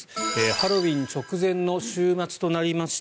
ハロウィーン直前の週末となりました